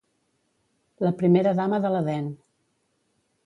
La primera dama de l'Edèn.